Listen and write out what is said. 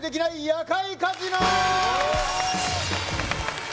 夜会カジノ